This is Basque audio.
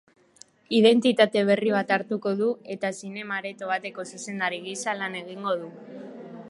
Identitate berri bat hartuko du eta zinema-areto bateko zuzendari gisa lan egingo du.